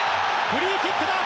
フリーキックだ！